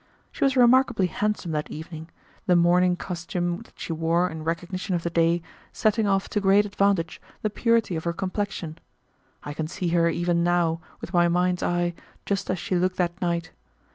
She was remarkably handsome that evening, the mourning costume that she wore in recognition of the day setting off to great advantage the purity of her complexion. I can see her even now with my mind's eye just as she looked that night.